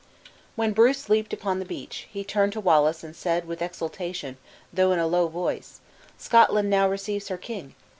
When Bruce leaped upon the beach, he turned to Wallace and said with exultation, though in a low voice, "Scotland now receives her king!